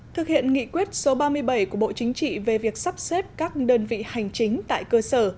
thực hiện nghị quyết số ba mươi bảy của bộ chính trị về việc sắp xếp các đơn vị hành chính tại cơ sở